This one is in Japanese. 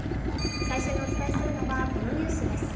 最初にお伝えするのは、このニュースです。